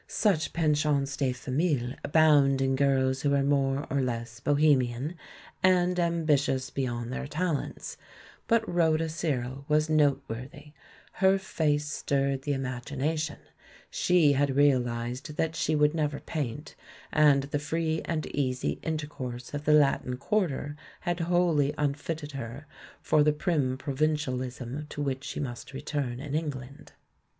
Such pensions de famille abound in girls who are more or less bohemian, and ambitious beyond their tal ents, but Rhoda Searle was noteworthy — her face stirred the imagination, she had realised that she would never paint, and the free and easy in tercourse of the Latin quarter had wholly un fitted her for the prim provincialism to which she must return in England.